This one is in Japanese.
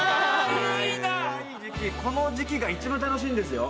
この時期が一番楽しいんですよ